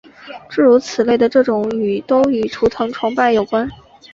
诸如此类的这些形容语都与图腾崇拜有关。